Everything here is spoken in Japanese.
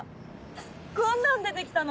こんなん出てきたの！